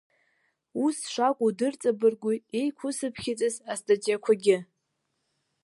Ус шакәу дырҵабыргуеит еиқәысыԥхьаӡаз астатиақәагьы.